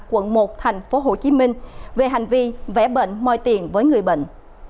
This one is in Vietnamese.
quận một tp hcm về hành vi vẽ bệnh moi tiền với người bệnh